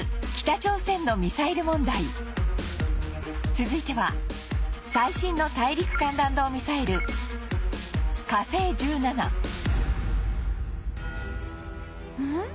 続いては最新の大陸間弾道ミサイル火星１７ん？